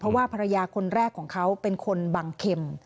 เพราะว่าภรรยาคนแรกของเขาเป็นคนบังเข็ม